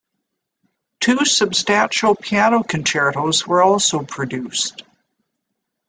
Two substantial piano concertos were also produced.